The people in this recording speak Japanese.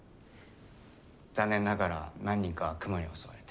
残念ながら何人かは熊に襲われて。